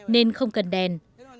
nên không cần đèn